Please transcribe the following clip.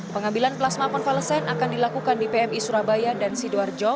pengambilan plasma konvalesen akan dilakukan di pmi surabaya dan sidoarjo